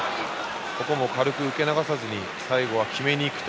ここも軽く受け流さず最後まで決めに行く。